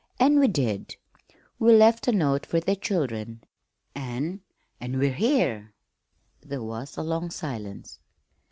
An' we did. We left a note fer the children, an' an' we're here!" There was a long silence.